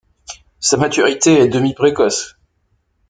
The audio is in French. Sa maturité est demi-précoce.